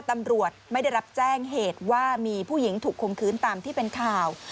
ตำรวจไม่ได้รับแจ้งเหตุว่ามีผู้หญิงถูกคมคืนตามที่เป็นข่าว